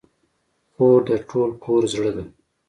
خور د ټول کور زړه ده.